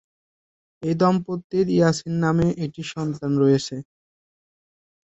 এই দম্পতির ইয়াসিন নামে এটি সন্তান রয়েছে।